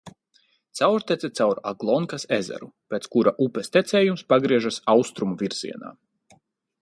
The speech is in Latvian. Caurtece caur Aglonkas ezeru, pēc kura upes tecējums pagriežas austrumu virzienā.